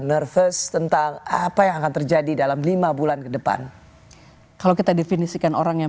nervous tentang apa yang akan terjadi dalam lima bulan ke depan kalau kita definisikan orang yang